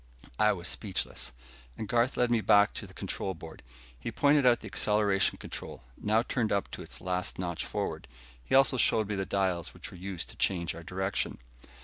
I was speechless, and Garth led me back to the control board. He pointed out the acceleration control, now turned up to its last notch forward; he also showed me the dials which were used to change our direction.